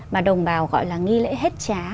mà đồng bào gọi là nghi lễ hết trá